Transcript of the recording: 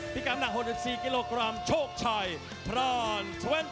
กรรมหนัก๖๔กิโลกรัมโชคชัยพราน